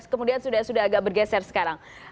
kemudian sudah agak bergeser sekarang